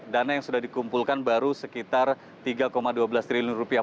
dana yang sudah dikumpulkan baru sekitar tiga dua belas triliun rupiah